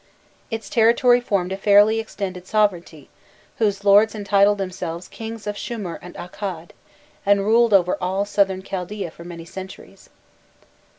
Its territory formed a fairly extended sovereignty, whose lords entitled themselves kings of Shumir and Akkad, and ruled over all Southern Chaldaea for many centuries.